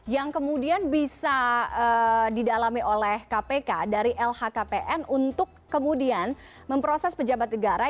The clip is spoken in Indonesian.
yang kemudian bisa didalami oleh kpk dari lhkpn untuk kemudian memproses pejabat negara